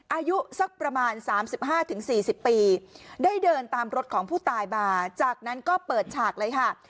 อายุสักประมาณ๓๕๔๐ปีได้เดินตามรถของผู้ตายมาจากนั้นก็เปิดฉากเลยค่ะ